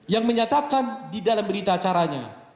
yang menyatakan di dalam berita acaranya